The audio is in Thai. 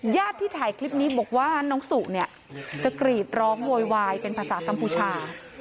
ญาติที่ถ่ายคลิปนี้บอกว่าน้องสุเนี่ยจะกรีดร้องโวยวายเป็นภาษากัมพูชา